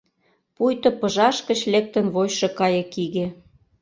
Пуйто пыжаш гыч лектын вочшо кайыкиге.